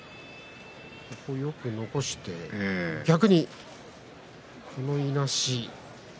よく残して、逆にこのいなし。